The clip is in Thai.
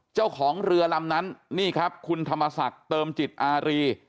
เจ้าของเรือลำนั้นนี่ครับคุณธรรมศักดิ์เติมจิตอารี